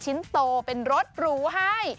จะเปย์โบนัสชิ้นโตเป็นรถหรูให้